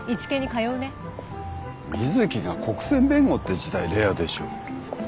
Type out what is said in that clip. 瑞希が国選弁護って自体レアでしょ。